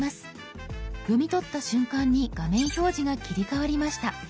読み取った瞬間に画面表示が切り替わりました。